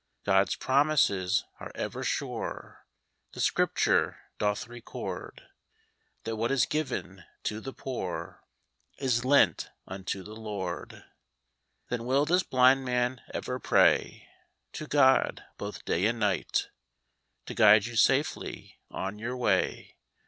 God's promises are ever sure, • The scripture. <doth record That what is given to the poor ! Is lent unto the Lord. I Then will this blind man over pray ! To God both day and night I To guide you safely on your way